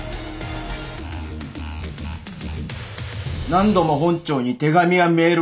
何度も本庁に手紙やメールを送ったと？